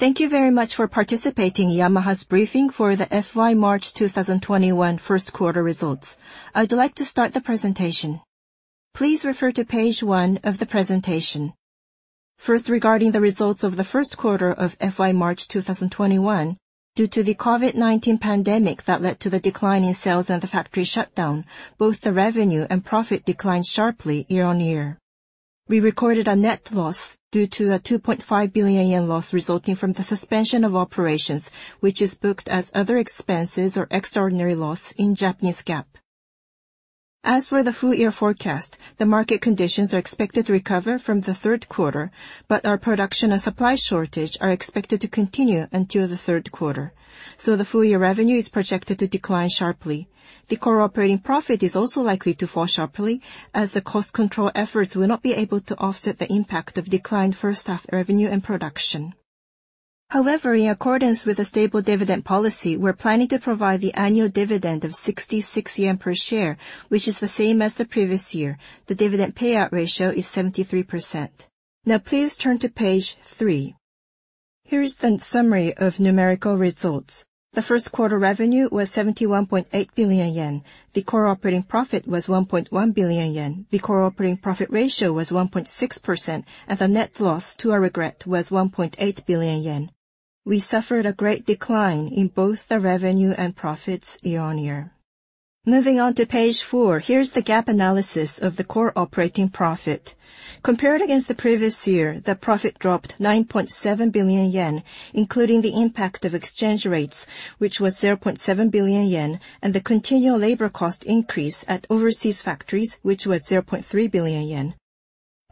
Thank you very much for participating in Yamaha's Briefing for the FY March 2021 First Quarter Results. I would like to start the presentation. Please refer to page one of the presentation. First, regarding the results of the first quarter of FY March 2021, due to the COVID-19 pandemic that led to the decline in sales and the factory shutdown, both the revenue and profit declined sharply year-on-year. We recorded a net loss due to a 2.5 billion yen loss resulting from the suspension of operations, which is booked as other expenses or extraordinary loss in Japanese GAAP. As for the full-year forecast, the market conditions are expected to recover from the third quarter, but our production and supply shortage are expected to continue until the third quarter, so the full-year revenue is projected to decline sharply. The core operating profit is also likely to fall sharply, as the cost control efforts will not be able to offset the impact of declined first-half revenue and production. However, in accordance with a stable dividend policy, we're planning to provide the annual dividend of 66 yen per share, which is the same as the previous year. The dividend payout ratio is 73%. Now please turn to page three. Here is the summary of numerical results. The first quarter revenue was 71.8 billion yen. The core operating profit was 1.1 billion yen. The core operating profit ratio was 1.6%, and the net loss, to our regret, was 1.8 billion yen. We suffered a great decline in both the revenue and profits year-on-year. Moving on to page four, here's the gap analysis of the core operating profit. Compared against the previous year, the profit dropped 9.7 billion yen, including the impact of exchange rates, which was 0.7 billion yen, and the continual labor cost increase at overseas factories, which was 0.3 billion yen.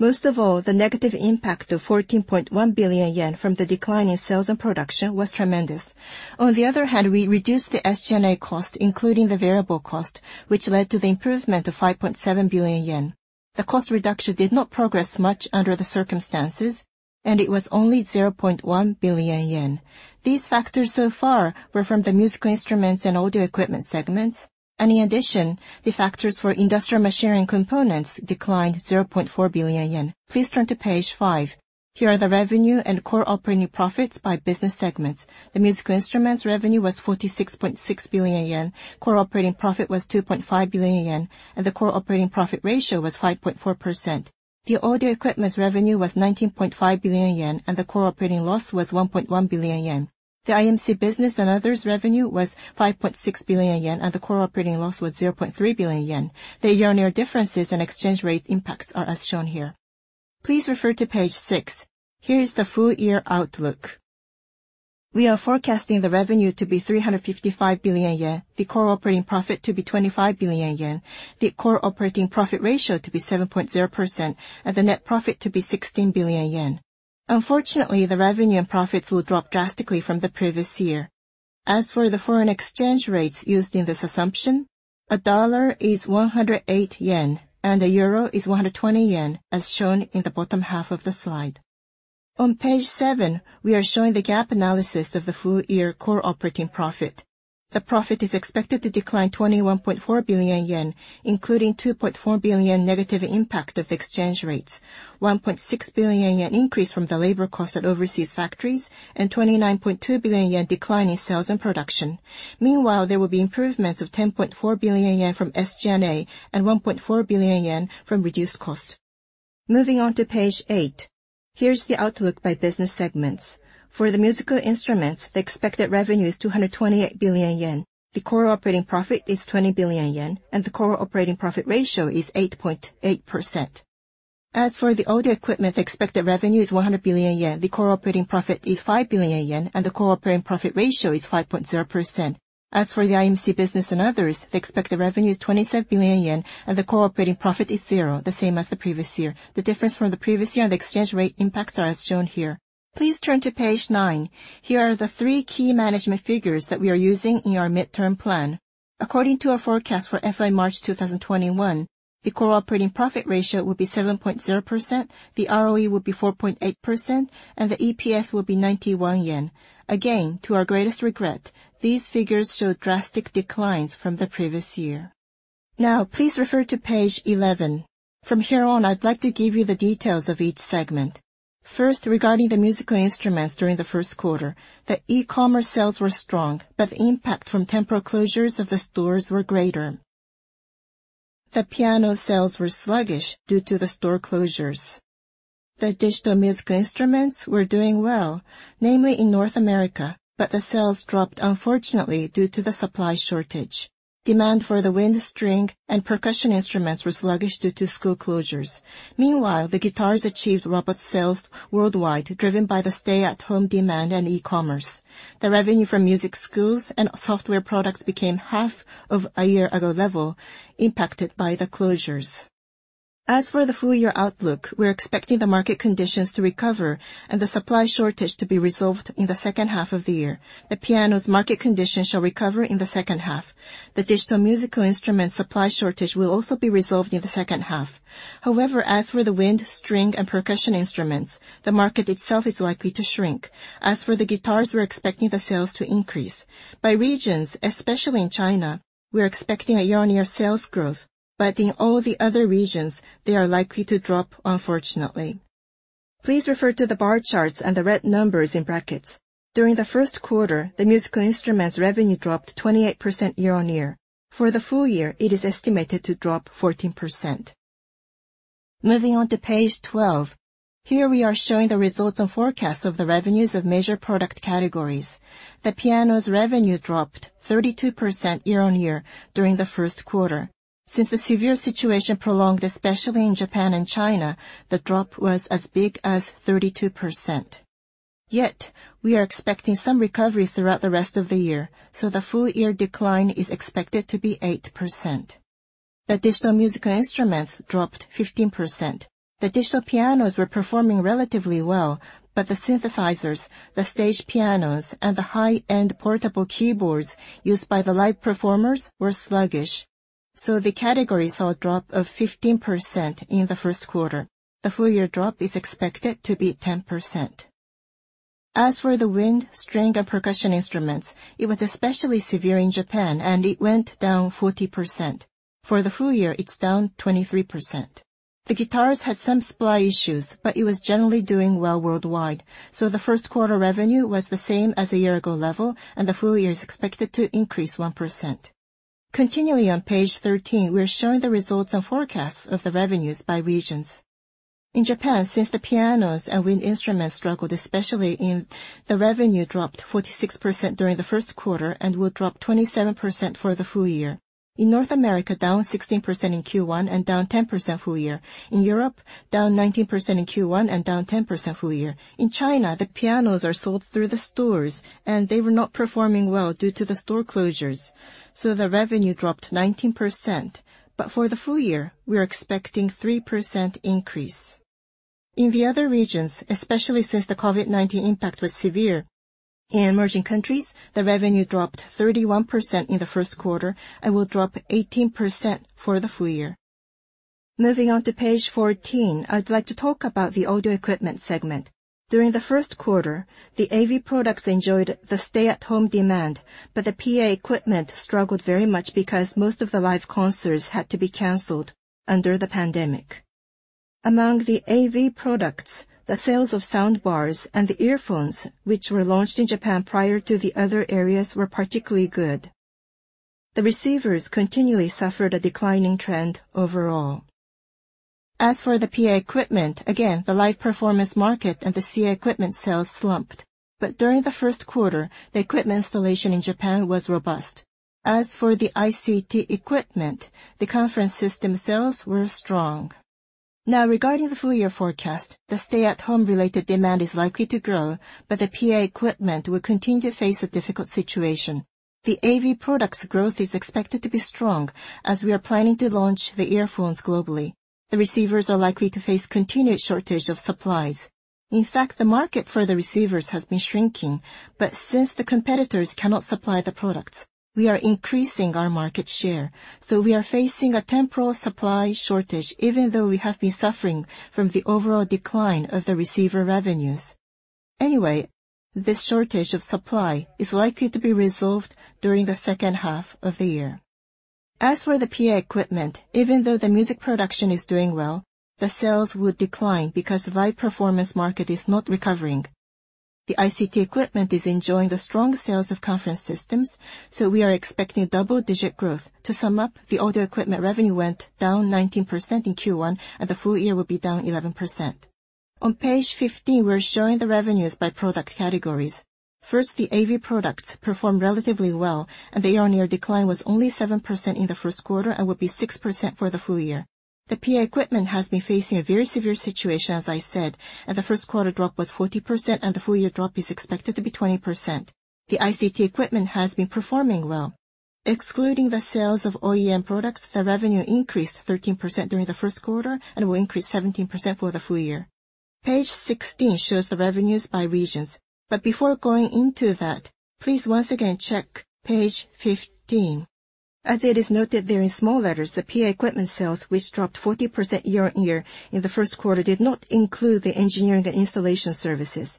Most of all, the negative impact of 14.1 billion yen from the decline in sales and production was tremendous. On the other hand, we reduced the SG&A cost, including the variable cost, which led to the improvement of 5.7 billion yen. The cost reduction did not progress much under the circumstances, it was only 0.1 billion yen. These factors so far were from the Musical Instruments and audio equipment segments. In addition, the factors for Industrial Machinery and Components declined 0.4 billion yen. Please turn to page five. Here are the revenue and core operating profits by business segments. The Musical Instruments revenue was 46.6 billion yen. Core operating profit was 2.5 billion yen, and the core operating profit ratio was 5.4%. The audio equipment's revenue was 19.5 billion yen, and the core operating loss was 1.1 billion yen. The IMC business and others revenue was 5.6 billion yen, and the core operating loss was 0.3 billion yen. The year-on-year differences and exchange rate impacts are as shown here. Please refer to page six. Here is the full-year outlook. We are forecasting the revenue to be 355 billion yen, the core operating profit to be 25 billion yen, the core operating profit ratio to be 7.0%, and the net profit to be 16 billion yen. Unfortunately, the revenue and profits will drop drastically from the previous year. As for the foreign exchange rates used in this assumption, $1 is JPY 108, and EUR 1 is JPY 120, as shown in the bottom-half of the slide. On page seven, we are showing the GAAP analysis of the full-year core operating profit. The profit is expected to decline 21.4 billion yen, including 2.4 billion negative impact of exchange rates, 1.6 billion yen increase from the labor cost at overseas factories, and 29.2 billion yen decline in sales and production. Meanwhile, there will be improvements of 10.4 billion yen from SG&A and 1.4 billion yen from reduced cost. Moving on to page eight. Here's the outlook by business segments. For the musical instruments, the expected revenue is 228 billion yen. The core operating profit is 20 billion yen, and the core operating profit ratio is 8.8%. As for the audio equipment, the expected revenue is 100 billion yen. The core operating profit is 5 billion yen, and the core operating profit ratio is 5.0%. As for the IMC business and others, the expected revenue is 27 billion yen, and the core operating profit is 0, the same as the previous year. The difference from the previous year and the exchange rate impacts are as shown here. Please turn to page nine. Here are the three key management figures that we are using in our mid-term plan. According to our forecast for FY March 2021, the core operating profit ratio will be 7.0%, the ROE will be 4.8%, and the EPS will be 91 yen. Again, to our greatest regret, these figures show drastic declines from the previous year. Please refer to page 11. From here on, I'd like to give you the details of each segment. First, regarding the musical instruments during the first quarter, the e-commerce sales were strong, but the impact from temporal closures of the stores were greater. The piano sales were sluggish due to the store closures. The digital musical instruments were doing well, namely in North America, but the sales dropped unfortunately due to the supply shortage. Demand for the wind, string, and percussion instruments were sluggish due to school closures. Meanwhile, the guitars achieved robust sales worldwide, driven by the stay-at-home demand and e-commerce. The revenue from music schools and software products became half of a year ago level, impacted by the closures. As for the full-year outlook, we're expecting the market conditions to recover and the supply shortage to be resolved in the second half of the year. The piano's market conditions shall recover in the second half. The digital musical instrument supply shortage will also be resolved in the second half. However, as for the wind, string, and percussion instruments, the market itself is likely to shrink. As for the guitars, we're expecting the sales to increase. By regions, especially in China, we're expecting a year-on-year sales growth, In all the other regions, they are likely to drop, unfortunately. Please refer to the bar charts and the red numbers in brackets. During the first quarter, the musical instruments revenue dropped 28% year-on-year. For the full-year, it is estimated to drop 14%. Moving on to page 12. Here we are showing the results and forecasts of the revenues of major product categories. The pianos revenue dropped 32% year-on-year during the first quarter. Since the severe situation prolonged, especially in Japan and China, the drop was as big as 32%. We are expecting some recovery throughout the rest of the year, the full-year decline is expected to be 8%. The digital musical instruments dropped 15%. The digital pianos were performing relatively well, the synthesizers, the stage pianos, and the high-end portable keyboards used by the live performers were sluggish. The category saw a drop of 15% in the first quarter. The full-year drop is expected to be 10%. As for the wind, string, and percussion instruments, it was especially severe in Japan, it went down 40%. For the full-year, it's down 23%. The guitars had some supply issues, it was generally doing well worldwide. The first quarter revenue was the same as the year-ago level, the full-year is expected to increase 1%. Continuing on page 13, we are showing the results and forecasts of the revenues by regions. In Japan, since the pianos and wind instruments struggled, the revenue dropped 46% during the first quarter and will drop 27% for the full-year. In North America, down 16% in Q1 and down 10% full-year. In Europe, down 19% in Q1 and down 10% full-year. In China, the pianos are sold through the stores, and they were not performing well due to the store closures, so the revenue dropped 19%. For the full-year, we are expecting 3% increase. In the other regions, especially since the COVID-19 impact was severe, in emerging countries, the revenue dropped 31% in the first quarter and will drop 18% for the full-year. Moving on to page 14, I'd like to talk about the audio equipment segment. During the first quarter, the AV products enjoyed the stay-at-home demand, but the PA equipment struggled very much because most of the live concerts had to be canceled under the pandemic. Among the AV products, the sales of sound bars and the earphones, which were launched in Japan prior to the other areas, were particularly good. The receivers continually suffered a declining trend overall. As for the PA equipment, again, the live performance market and the CA equipment sales slumped. During the first quarter, the equipment installation in Japan was robust. As for the ICT equipment, the conference system sales were strong. Now regarding the full-year forecast, the stay-at-home related demand is likely to grow, but the PA equipment will continue to face a difficult situation. The AV products growth is expected to be strong, as we are planning to launch the earphones globally. The receivers are likely to face continued shortage of supplies. In fact, the market for the receivers has been shrinking, but since the competitors cannot supply the products, we are increasing our market share. We are facing a temporal supply shortage, even though we have been suffering from the overall decline of the receiver revenues. Anyway, this shortage of supply is likely to be resolved during the second half of the year. As for the PA equipment, even though the music production is doing well, the sales will decline because live performance market is not recovering. The ICT equipment is enjoying the strong sales of conference systems, so we are expecting double-digit growth. To sum up, the audio equipment revenue went down 19% in Q1, and the full-year will be down 11%. On page 15, we're showing the revenues by product categories. First, the AV products performed relatively well, and the year-on-year decline was only 7% in the first quarter and will be 6% for the full-year. The PA equipment has been facing a very severe situation, as I said, and the first quarter drop was 40%, and the full-year drop is expected to be 20%. The ICT equipment has been performing well. Excluding the sales of OEM products, the revenue increased 13% during the first quarter and will increase 17% for the full-year. Page 16 shows the revenues by regions. Before going into that, please once again check page 15. As it is noted there in small letters, the PA equipment sales, which dropped 40% year-on-year in the first quarter, did not include the engineering and installation services.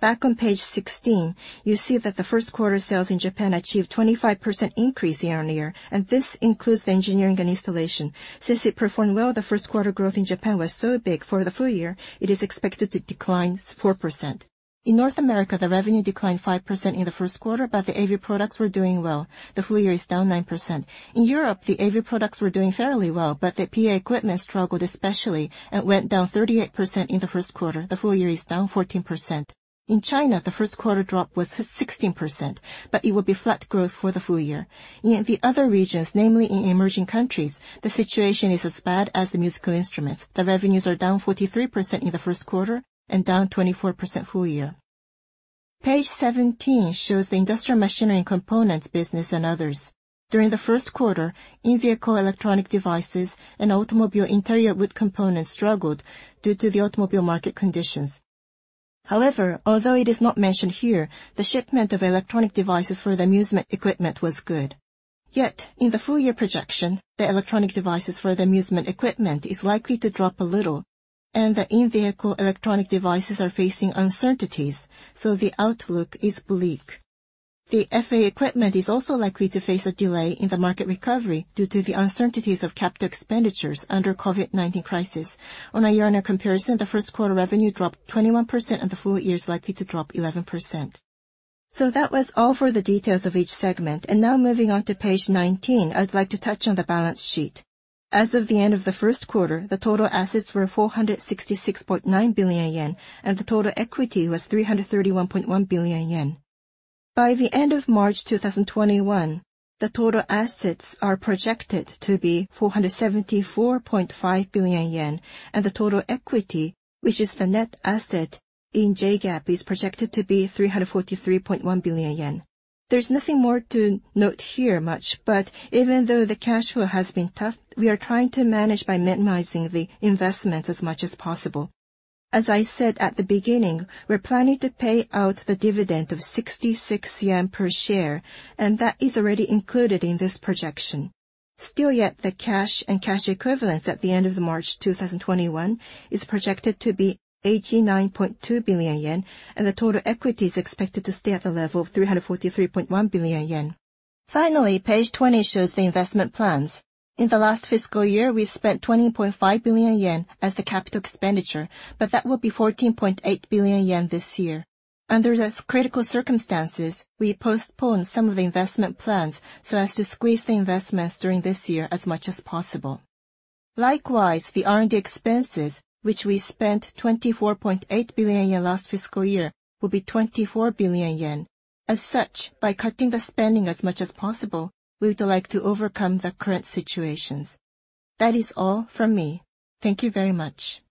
Back on page 16, you see that the first quarter sales in Japan achieved 25% increase year-on-year, and this includes the engineering and installation. Since it performed well, the first quarter growth in Japan was so big, for the full-year, it is expected to decline 4%. In North America, the revenue declined 5% in the first quarter, but the AV products were doing well. The full-year is down 9%. In Europe, the AV products were doing fairly well, but the PA equipment struggled especially and went down 38% in the first quarter. The full-year is down 14%. In China, the first quarter drop was 16%, but it will be flat growth for the full-year. In the other regions, namely in emerging countries, the situation is as bad as the musical instruments. The revenues are down 43% in the first quarter and down 24% full-year. Page 17 shows the industrial machinery and components business and others. During the first quarter, in-vehicle electronic devices and automobile interior wood components struggled due to the automobile market conditions. Although it is not mentioned here, the shipment of electronic devices for the amusement equipment was good. In the full-year projection, the electronic devices for the amusement equipment is likely to drop a little, and the in-vehicle electronic devices are facing uncertainties, so the outlook is bleak. The FA equipment is also likely to face a delay in the market recovery due to the uncertainties of capital expenditures under COVID-19 crisis. On a year-on-year comparison, the first quarter revenue dropped 21% and the full-year is likely to drop 11%. That was all for the details of each segment. Now moving on to page 19, I'd like to touch on the balance sheet. As of the end of the first quarter, the total assets were 466.9 billion yen, and the total equity was 331.1 billion yen. By the end of March 2021, the total assets are projected to be 474.5 billion yen, and the total equity, which is the net asset in JGAAP, is projected to be 343.1 billion yen. There's nothing more to note here much, but even though the cash flow has been tough, we are trying to manage by minimizing the investments as much as possible. As I said at the beginning, we're planning to pay out the dividend of 66 yen per share, and that is already included in this projection. Still yet, the cash and cash equivalents at the end of March 2021 is projected to be 89.2 billion yen, and the total equity is expected to stay at the level of 343.1 billion yen. Finally, page 20 shows the investment plans. In the last fiscal year, we spent 20.5 billion yen as the capital expenditure. That will be 14.8 billion yen this year. Under the critical circumstances, we postponed some of the investment plans so as to squeeze the investments during this year as much as possible. The R&D expenses, which we spent 24.8 billion yen last fiscal year, will be 24 billion yen. By cutting the spending as much as possible, we would like to overcome the current situations. That is all from me. Thank you very much.